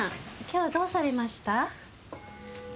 今日はどうされました？